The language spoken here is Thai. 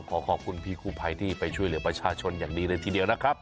ขอขอบคุณพี่กู้ภัยที่ไปช่วยเหลือประชาชนอย่างดีเลยทีเดียวนะครับ